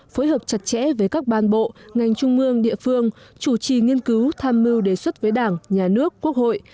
phối hợp chặt chẽ với các ban bộ ngành trung mương địa phương chủ trì nghiên cứu tham mưu đề xuất với đảng nhà nước quốc hội